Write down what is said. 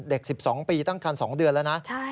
เด็ก๑๒ปีตั้งครรภ์๒เดือนแล้วนะ